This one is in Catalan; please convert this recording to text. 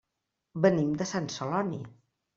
Venim de Sant Celoni.